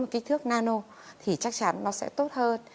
kích thước nano thì chắc chắn nó sẽ tốt hơn